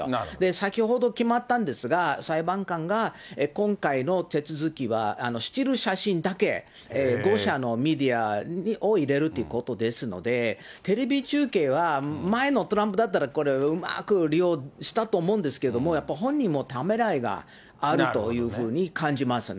先ほど決まったんですが、裁判官が今回の手続きはスチール写真だけ、５社のメディアを入れるということですので、テレビ中継は前のトランプだったらこれ、うまく利用したと思うんですけども、やっぱ本人もためらいがあるというふうに感じますね。